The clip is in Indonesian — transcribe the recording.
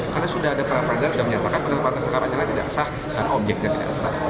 karena sudah ada praperadilan sudah menyampaikan karena pantasnya tidak sah karena objeknya tidak sah